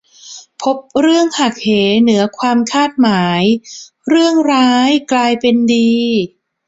พบเรื่องหักเหเหนือความคาดหมาย เรื่องร้ายกลายเป็นดี